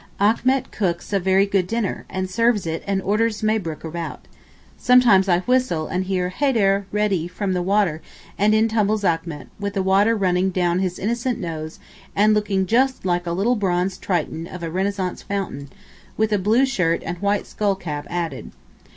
Achmet cooks a very good dinner, serves it and orders Mahbrook about. Sometimes I whistle and hear hader (ready) from the water and in tumbles Achmet, with the water running 'down his innocent nose' and looking just like a little bronze triton of a Renaissance fountain, with a blue shirt and white skull cap added.